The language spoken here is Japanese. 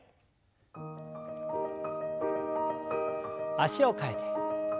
脚を替えて。